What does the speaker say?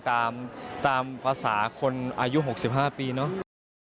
ตามภาษาคนอายุ๖๕ปีเนาะ